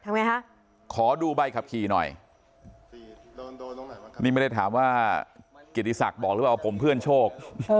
ไหมคะขอดูใบขับขี่หน่อยนี่ไม่ได้ถามว่าเกียรติศักดิ์บอกหรือเปล่าว่าผมเพื่อนโชค